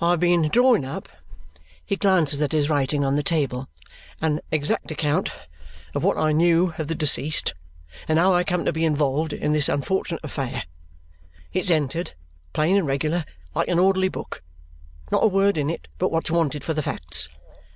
I have been drawing up," he glances at his writing on the table, "an exact account of what I knew of the deceased and how I came to be involved in this unfortunate affair. It's entered, plain and regular, like an orderly book; not a word in it but what's wanted for the facts.